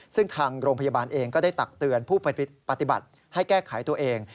ซึ่งทางโรงพยาบาลเองก็ได้ตักเตือนผู้ปฏิบัติให้แก้ไขตัวเอง